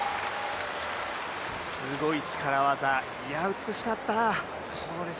すごい力技、いや、美しかった。